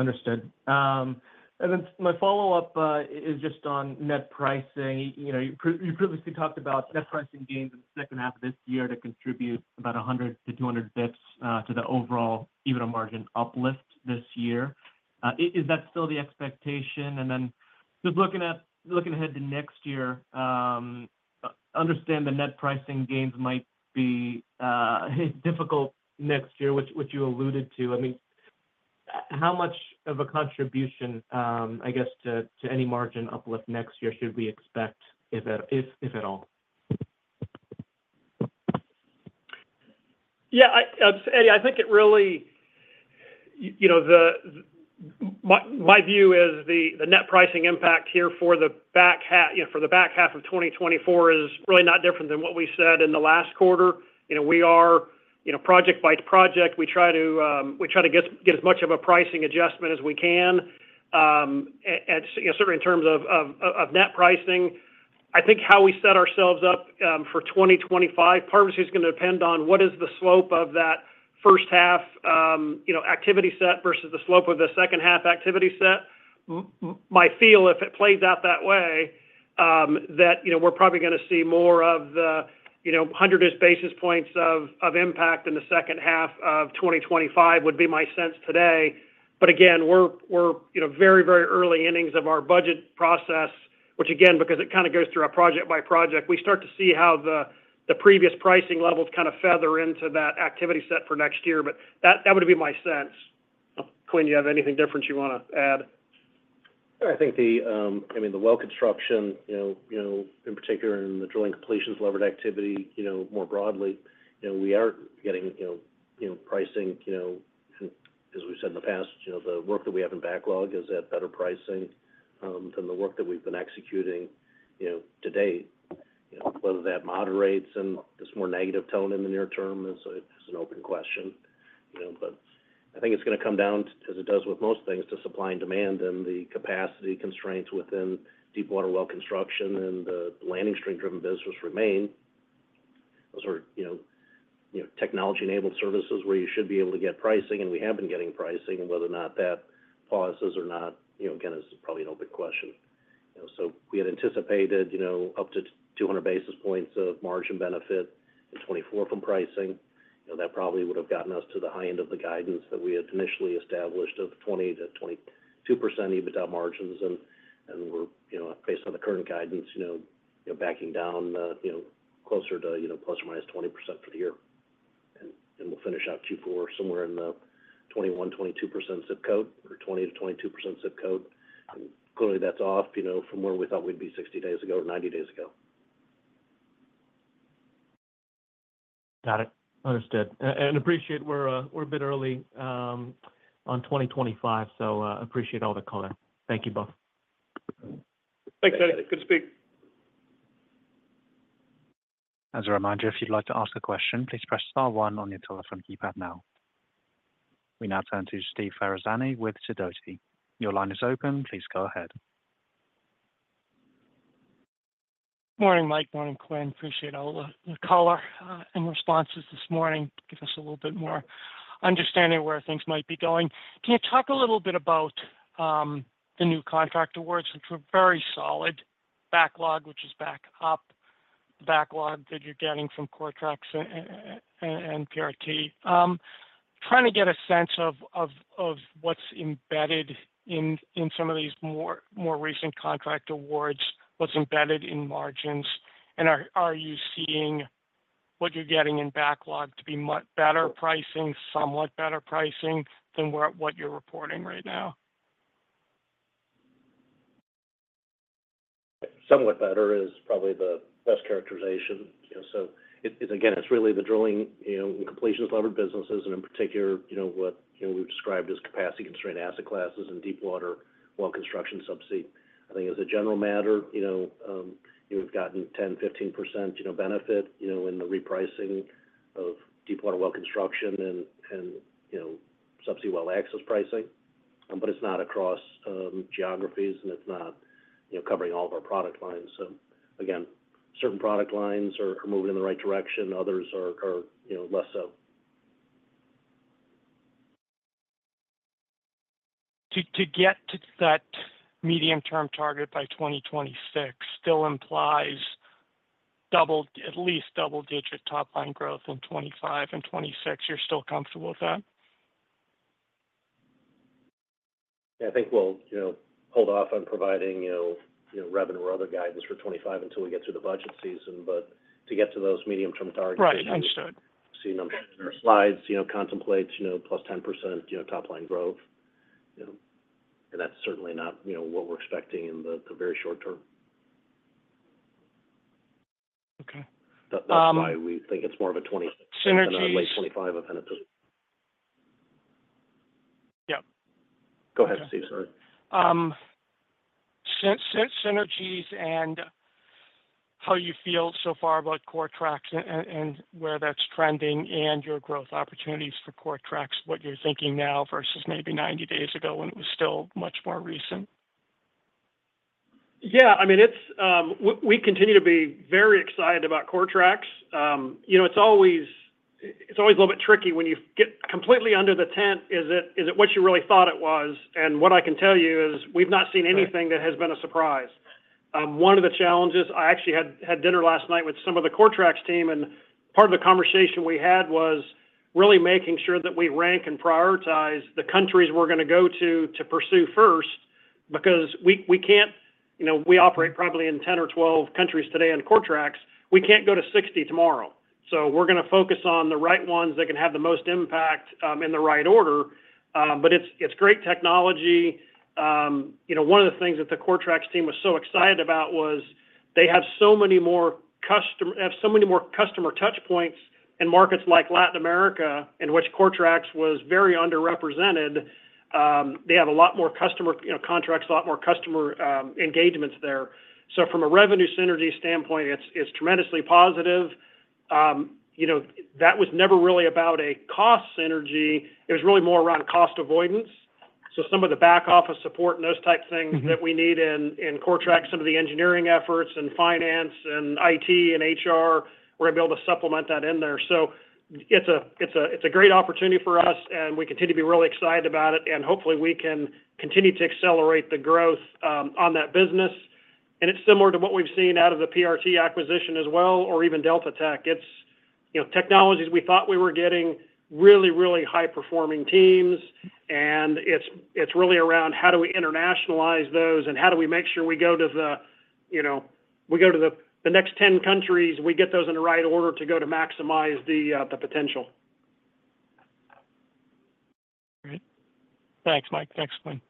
understood. Then my follow-up is just on net pricing. You know, you previously talked about net pricing gains in the second half of this year to contribute about 100-200 basis points to the overall EBITDA margin uplift this year. Is that still the expectation? Then just looking ahead to next year, understand the net pricing gains might be difficult next year, which you alluded to. I mean, how much of a contribution, I guess, to any margin uplift next year should we expect, if at all? Yeah, I, Eddie, I think it really... you know, the net pricing impact here for the back half of twenty twenty-four is really not different than what we said in the last quarter. We are, project by project, we try to get as much of a pricing adjustment as we can, and, you know, certainly in terms of net pricing. I think how we set ourselves up for twenty twenty-five, part of it is gonna depend on what is the slope of that first half, activity set versus the slope of the second half activity set. My feeling, if it plays out that way, that, you know, we're probably gonna see more of the, you know, 100 basis points of impact in the second half of twenty twenty-five, would be my sense today. Again, we're very very early innings of our budget process, which, again, because it kinda goes through our project by project, we start to see how the previous pricing levels kinda feather into that activity set for next year. That would be my sense. Quinn, do you have anything different you wanna add? I think the well construction, in particular in the drilling completions leveraged activity, more broadly, you know, we are getting, you know, pricing, you know, as we've said in the past, you know, the work that we have in backlog is at better pricing than the work that we've been executing, you know, to date. Whether that moderates and this more negative tone in the near term is an open question. I think it's gonna come down, as it does with most things, to supply and demand, and the capacity constraints within deepwater well construction and the landing string-driven business remain. Those are, you know, technology-enabled services where you should be able to get pricing, and we have been getting pricing. Whether or not that pauses or not again, is probably an open question. We had anticipated up to two hundred basis points of margin benefit in twenty-four from pricing. You know, that probably would have gotten us to the high end of the guidance that we had initially established of 20%-22% EBITDA margins. We're based on the current guidance, you know, you know, backing down, closer to plus or minus 20% for the year. We'll finish out Q4 somewhere in the 21%-22% zip code or 20%-22% zip code. Clearly, that's off from where we thought we'd be sixty days ago or ninety days ago. Got it. Understood. Appreciate we're a bit early on twenty twenty-five, so appreciate all the color. Thank you both. Thanks, Eddie. Good to speak. As a reminder, if you'd like to ask a question, please press star one on your telephone keypad now. We now turn to Steve Ferazani with Sidoti. Your line is open, please go ahead. Morning, Mike. Morning, Quinn. Appreciate all the color and responses this morning. Gives us a little bit more understanding of where things might be going. Can you talk a little bit about the new contract awards, which were very solid, backlog, which is back up, the backlog that you're getting from Coretrax and PRT? Trying to get a sense of what's embedded in some of these more recent contract awards, what's embedded in margins, and are you seeing what you're getting in backlog to be much better pricing, somewhat better pricing than what you're reporting right now? Somewhat better is probably the best characterization. Again, it's really the drilling, you know, and completions levered businesses, and in particular, you know, what, you know, we've described as capacity-constrained asset classes and deepwater well construction subsea. I think as a general matter, you know, we've gotten 10-15% benefit in the repricing of deepwater well construction and subsea well access pricing, but it's not across geographies, and it's not covering all of our product lines. Again, certain product lines are moving in the right direction, others are less so. To get to that medium-term target by 2026 still implies at least double-digit top-line growth in 2025 and 2026. You're still comfortable with that? Yeah, I think we'll, hold off on providing, you know, revenue or other guidance for 2025 until we get through the budget season. To get to those medium-term targets- Right, understood. See in our slides contemplates plus 10% top-line growth. That's certainly not what we're expecting in the very short term. That's why we think it's more of a twenty late 2025 event. Yep. Go ahead, Steve, sorry. Synergies and how you feel so far about Coretrax and where that's trending and your growth opportunities for Coretrax, what you're thinking now versus maybe ninety days ago when it was still much more recent? Yeah. I mean, it's. We continue to be very excited about Coretrax. It's always a little bit tricky when you get completely under the tent, is it what you really thought it was? What I can tell you is, we've not seen anything that has been a surprise. One of the challenges, I actually had dinner last night with some of the Coretrax team, and part of the conversation we had was really making sure that we rank and prioritize the countries we're gonna go to to pursue first, because we can't we operate probably in 10 or 12 countries today on Coretrax. We can't go to 60 tomorrow. So we're gonna focus on the right ones that can have the most impact in the right order. It's great technology. One of the things that the Coretrax team was so excited about was they have so many more customer touchpoints in markets like Latin America, in which Coretrax was very underrepresented. They have a lot more customer, you know, contracts, a lot more customer engagements there. From a revenue synergy standpoint, it's, it's tremendously positive. You know, that was never really about a cost synergy. It was really more around cost avoidance. Some of the back office support and those type of things that we need in Coretrax, some of the engineering efforts, and finance, and IT, and HR, we're gonna be able to supplement that in there. It's a great opportunity for us, and we continue to be really excited about it, and hopefully, we can continue to accelerate the growth on that business. It's similar to what we've seen out of the PRT acquisition as well, or even DeltaTek. It's technologies we thought we were getting really, really high-performing teams, and it's really around how do we internationalize those, and how do we make sure we go to the, you know, we go to the 10 countries, we get those in the right order to go to maximize the potential? Great. Thanks, Mike. Thanks, Quinn.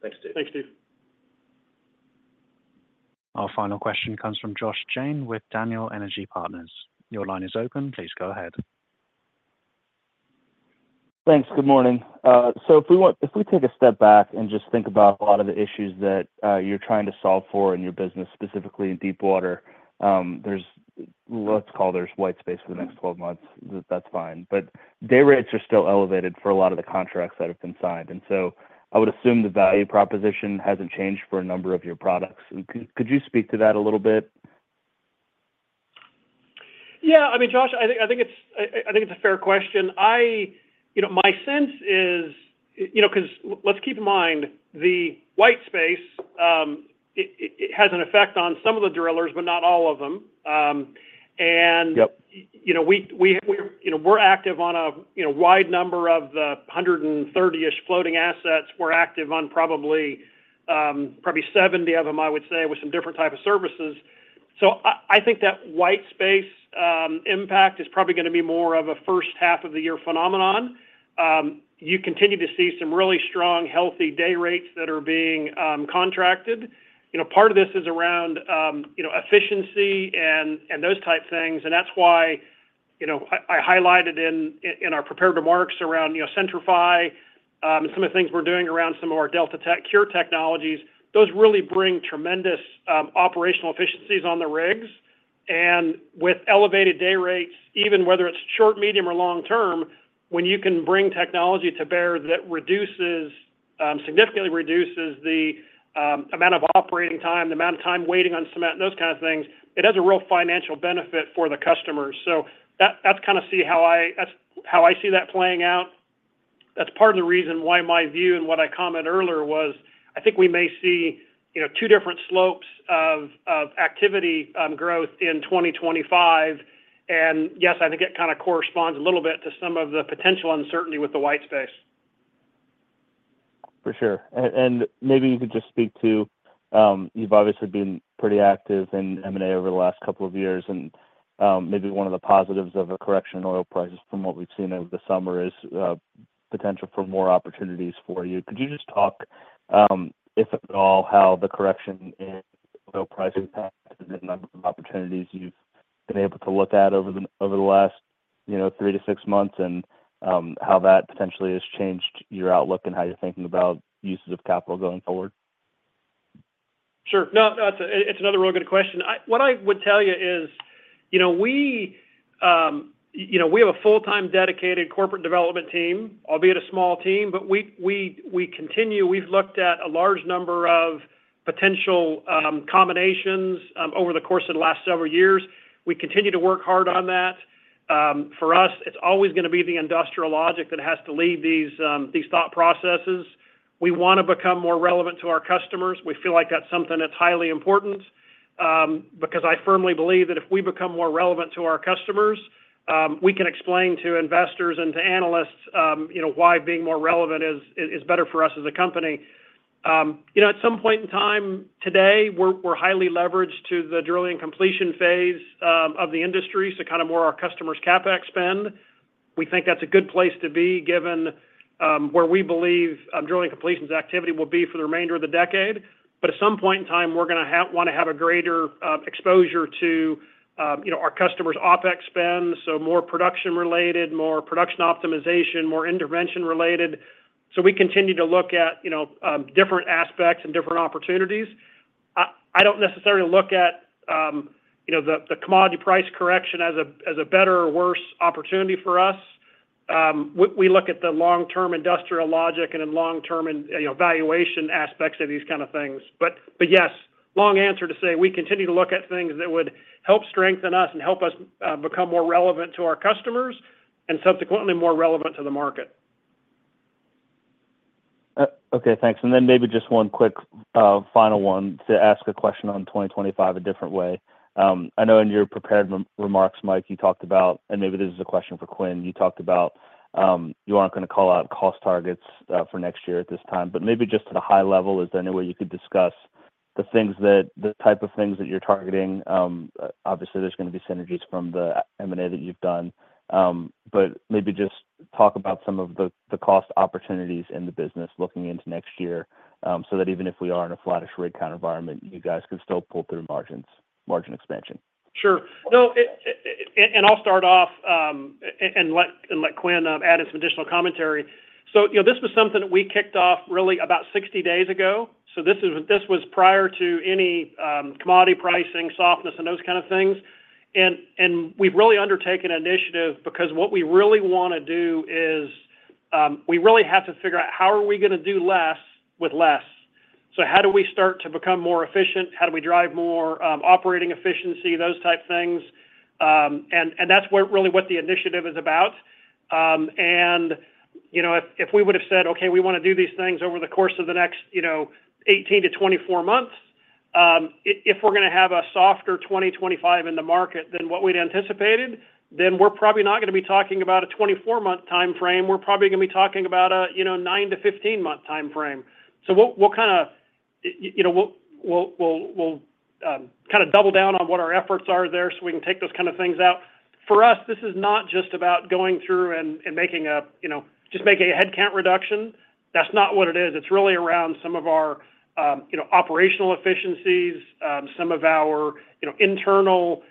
Thanks, Steve. Thanks, Steve. Our final question comes from Josh Jayne with Daniel Energy Partners. Your line is open, please go ahead. Thanks. Good morning. So if we take a step back and just think about a lot of the issues that you're trying to solve for in your business, specifically in deepwater, there's white space for the next twelve months, that's fine. But day rates are still elevated for a lot of the contracts that have been signed. I would assume the value proposition hasn't changed for a number of your products. Could you speak to that a little bit? Yeah. I mean, Josh, I think it's a fair question. My sense is cause let's keep in mind, the White Space, it has an effect on some of the drillers, but not all of them and we're active on a wide number of the hundred and thirty-ish floating assets. We're active on probably seventy of them, I would say, with some different type of services. That white space impact is probably gonna be more of a first half of the year phenomenon. You continue to see some really strong, healthy day rates that are being contracted. You know, part of this is around you know, efficiency and those type of things, and that's why I highlighted in our prepared remarks around you know, Centri-FI, and some of the things we're doing around some of our DeltaTek core technologies. Those really bring tremendous operational efficiencies on the rigs. With elevated day rates, even whether it's short, medium, or long term, when you can bring technology to bear, that significantly reduces the amount of operating time, the amount of time waiting on cement, those things. It has a real financial benefit for the customers. That's how I see that playing out. That's part of the reason why my view and what I commented earlier was. I think we may see, you know, two different slopes of activity growth in 2025. Yes, I think it corresponds a little bit to some of the potential uncertainty with the White Space. For sure. Maybe you could just speak to, you've obviously been pretty active in M&A over the last couple of years, and maybe one of the positives of a correction in oil prices from what we've seen over the summer is potential for more opportunities for you. Could you just talk, if at all, how the correction in oil prices impacts the number of opportunities you've been able to look at over the last, you know, three to six months, and how that potentially has changed your outlook and how you're thinking about uses of capital going forward? No, it's another real good question. What I would tell you is, you know, we have a full-time dedicated corporate development team, albeit a small team, but we continue. We've looked at a large number of potential combinations over the course of the last several years. We continue to work hard on that. For us, it's always gonna be the industrial logic that has to lead these thought processes. We wanna become more relevant to our customers. We feel like that's something that's highly important because I firmly believe that if we become more relevant to our customers, we can explain to investors and to analysts, you know, why being more relevant is better for us as a company. At some point in time today, we're highly leveraged to the drilling and completion phase of the industry, more our customers' CapEx spend. We think that's a good place to be, given where we believe drilling completions activity will be for the remainder of the decade. At some point in time, we're gonna wanna have a greater exposure to our customers' OpEx spend, so more production-related, more production optimization, more intervention-related. We continue to look at, different aspects and different opportunities. I don't necessarily look at the commodity price correction as a better or worse opportunity for us. We look at the long-term industrial logic and in long-term you know, valuation aspects of these things. Yes, long answer to say, we continue to look at things that would help strengthen us and help us become more relevant to our customers, and subsequently, more relevant to the market. Okay, thanks, and then maybe just one quick final one to ask a question on 2025 a different way. I know in your prepared remarks, Mike, you talked about, and maybe this is a question for Quinn, you talked about you aren't gonna call out cost targets for next year at this time, but maybe just at a high level, is there any way you could discuss the things that the type of things that you're targeting? Obviously, there's gonna be synergies from the M&A that you've done, but maybe just talk about some of the, the cost opportunities in the business looking into next year, so that even if we are in a flattish rig environment, you guys can still pull through margins, margin expansion. Sure. No, and I'll start off, and let Quinn add his additional commentary. This was something that we kicked off really about 60 days ago. This was prior to any commodity pricing softness, and those things. We've really undertaken an initiative, because what we really wanna do is, we really have to figure out how are we gonna do less with less? How do we start to become more efficient? How do we drive more operating efficiency, those type things? That's where really what the initiative is about. If we would have said, "Okay, we wanna do these things over the course of the next, you know, 18 to 24 months," if we're gonna have a softer 2025 in the market than what we'd anticipated, then we're probably not gonna be talking about a 24-month timeframe. We're probably gonna be talking about a, you know, 9 to 15-month timeframe. We'll kinda double down on what our efforts are there, so we can take those things out. For us, this is not just about going through and making, just a headcount reduction. That's not what it is. It's really around some of our, operational efficiencies, some of our, you know, internal,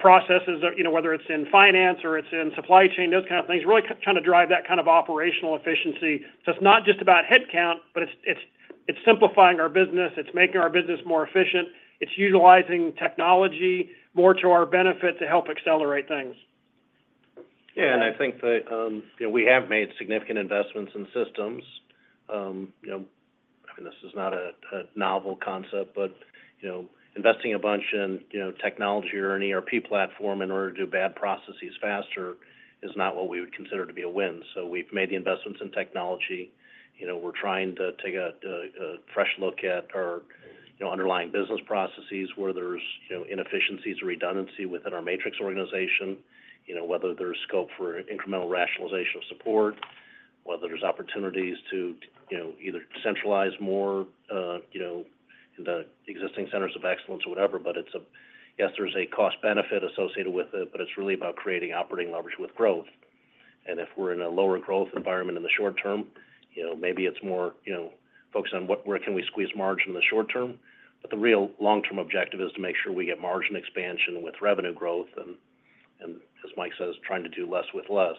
processes, whether it's in finance or it's in supply chain, those things, really kinda drive that operational efficiency. It's not just about headcount, but it's simplifying our business, it's making our business more efficient, it's utilizing technology more to our benefit to help accelerate things. Yeah, and I think that, you know, we have made significant investments in systems. I mean, this is not a novel concept, but, you know, investing a bunch in, you know, technology or an ERP platform in order to do bad processes faster is not what we would consider to be a win. So we've made the investments in technology. You know, we're trying to take a fresh look at our, you know, underlying business processes where there's, you know, inefficiencies or redundancy within our matrix organization. You know, whether there's scope for incremental rationalization of support, whether there's opportunities to, you know, either centralize more, you know, the existing centers of excellence or whatever. But it's a yes, there's a cost benefit associated with it, but it's really about creating operating leverage with growth. If we're in a lower growth environment in the short term, you know, maybe it's more, you know, focused on where can we squeeze margin in the short term. The real long-term objective is to make sure we get margin expansion with revenue growth, and as Mike says, trying to do less with less.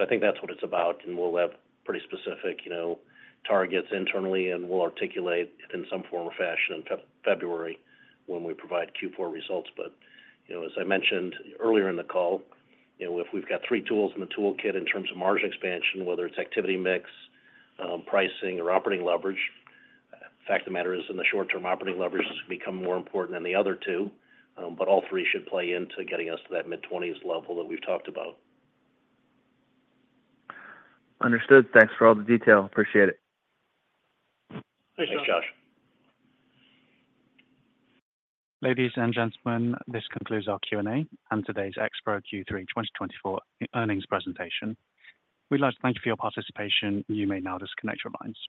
I think that's what it's about, and we'll have pretty specific, targets internally, and we'll articulate it in some form or fashion in February when we provide Q4 results. As I mentioned earlier in the call, you know, if we've got three tools in the toolkit in terms of margin expansion, whether it's activity mix, pricing, or operating leverage, fact of the matter is, in the short term, operating leverage is gonna become more important than the other two, but all three should play into getting us to that mid-twenties level that we've talked about. Understood. Thanks for all the detail. Appreciate it. Thanks, Josh. Thanks, Josh. Ladies and gentlemen, this concludes our Q&A and today's Expro Q3 2024 Earnings presentation. We'd like to thank you for your participation. You may now disconnect your lines.